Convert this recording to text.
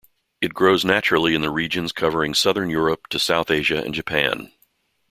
It grows naturally in the regions covering Southern Europe to South Asia and Japan.